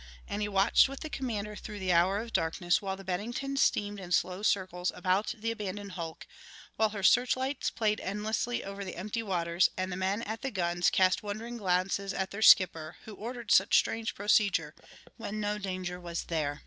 And he watched with the commander through the hour of darkness while the Bennington steamed in slow circles about the abandoned hulk, while her search lights played endlessly over the empty waters and the men at the guns cast wondering glances at their skipper who ordered such strange procedure when no danger was there.